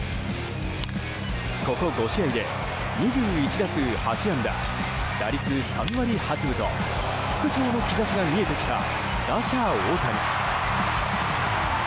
ここ５試合で２１打数８安打打率３割８分と復調の兆しが見えてきた打者・大谷。